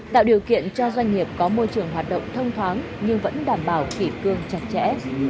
tạo điều kiện cho doanh nghiệp có môi trường hoạt động thông thoáng nhưng vẫn đảm bảo kỷ cương chặt chẽ